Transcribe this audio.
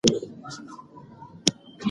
که تاسي ناروغه یاست نو ډېره مېوه خورئ.